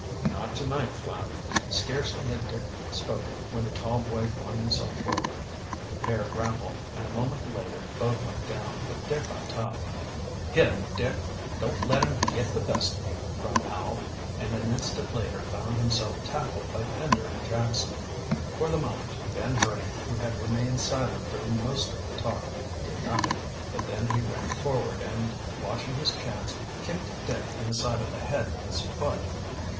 "Not to night, Flapp." Scarcely had Dick spoken when the tall boy flung himself forward. The pair grappled, and a moment later both went down, with Dick on top. "Hit him, Dick, don't let him get the best of you!" cried Powell, and an instant later found himself tackled by Pender and Jackson. For the moment Ben Hurdy, who had remained silent during the most of the talk, did nothing, but then he ran forward, and watching his chance, kicked Dick in the side of the head with his foot.